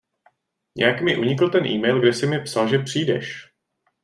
Nějak mi unikl ten email, kde jsi mi psal, že přijdeš.